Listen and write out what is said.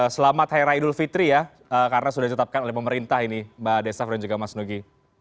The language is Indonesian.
selamat haira idul fitri ya karena sudah ditetapkan oleh pemerintah ini mbak desaf dan juga mas nugi